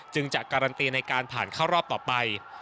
จะการันตีในการผ่านเข้ารอบต่อไป